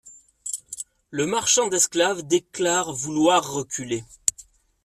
Le marchand d'esclaves déclare vouloir reculer.